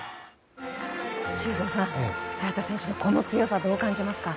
修造さん、早田選手の強さどう感じますか？